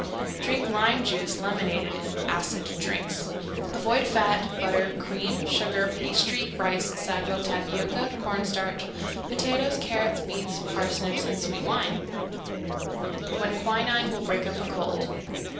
Drink lime juice, lemonade, and acid drinks. Avoid fat, butter, cream, sugar, pastry, rice, sago, tapioca, corn starch, potatoes, carrots, beets, parsnips, and sweet wines. When Quinine Will Break Up a Cold.